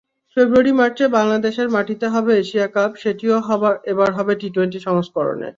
ফেব্রুয়ারি-মার্চে বাংলাদেশের মাটিতে হবে এশিয়া কাপ, সেটিও এবার হবে টি-টোয়েন্টি সংস্করণে।